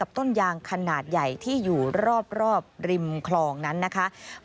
ต้นยางขนาดใหญ่ที่อยู่รอบริมคลองนั้นนะคะ